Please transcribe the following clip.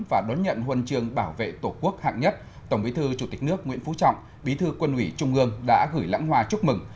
và đón nhận huân trường bảo vệ tổ quốc hạng nhất tổng bí thư chủ tịch nước nguyễn phú trọng bí thư quân ủy trung ương đã gửi lãng hoa chúc mừng